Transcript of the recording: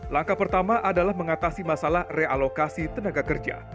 langkah pertama adalah mengatasi masalah realokasi tenaga kerja